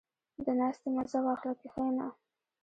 • د ناستې مزه واخله، کښېنه.